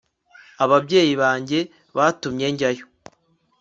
ababyeyi banjye batumye njyayo